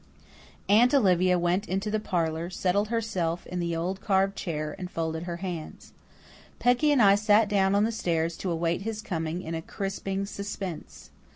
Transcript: Aunt Olivia went into the parlour, settled herself in the old carved chair, and folded her hands. Peggy and I sat down on the stairs to await his coming in a crisping suspense.